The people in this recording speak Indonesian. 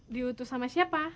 diutus sama siapa